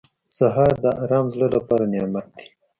سهار د ارام زړه لپاره نعمت دی.